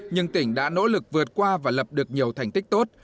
nhưng tỉnh đã nỗ lực vượt qua và lập được nhiều thành tích tốt